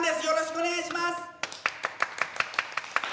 よろしくお願いします！